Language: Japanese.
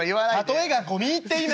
「例えが込み入っています」。